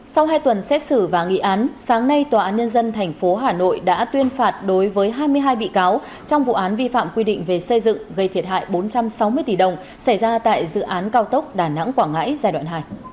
sau hai tuần xét xử và nghị án sáng nay tòa án nhân dân tp hà nội đã tuyên phạt đối với hai mươi hai bị cáo trong vụ án vi phạm quy định về xây dựng gây thiệt hại bốn trăm sáu mươi tỷ đồng xảy ra tại dự án cao tốc đà nẵng quảng ngãi giai đoạn hai